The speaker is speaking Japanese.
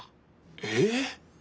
えっ？